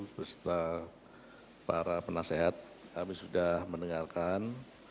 beserta para penasehat kami sudah mendengarkan